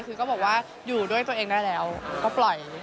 คือก็บอกว่าอยู่ด้วยตัวเองได้แล้วก็ปล่อย